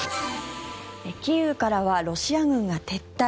キーウからはロシア軍が撤退。